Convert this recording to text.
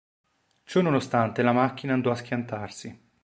Ciononostante la macchina andò a schiantarsi.